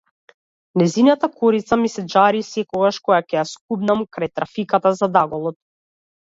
Нејзината корица ми се џари секогаш кога ќе ја скубнам крај трафиката зад аголот.